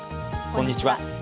こんにちは。